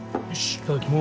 いただきまーす。